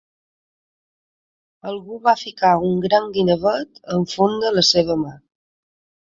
Algú va ficar un gran ganivet amb funda a la seva mà.